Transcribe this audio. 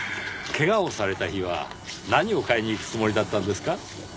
怪我をされた日は何を買いに行くつもりだったんですか？